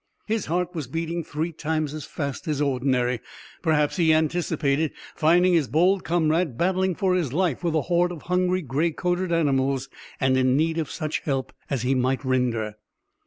His heart was beating three times as fast as ordinary. Perhaps he anticipated finding his bold comrade battling for his life with a horde of hungry gray coated animals and in need of such help as he might render.